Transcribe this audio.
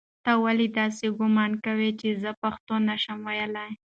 تا ولې داسې ګومان کاوه چې زه پښتو نه شم ویلی؟